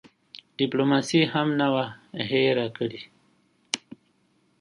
ډیپلوماسي هم نه وه هېره کړې.